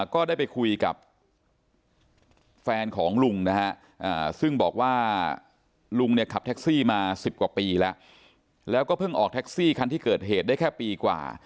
ก็ได้ไปคุยกับแฟนของลุงนะฮะซึ่งบอกว่าลุงเนี่ยขับแท็กซี่มา๑๐กว่าปีแล้วแล้วก็เพิ่งออกแท็กซี่คันที่เกิดเหตุได้แค่ปีกว่า